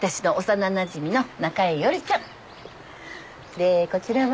でこちらは。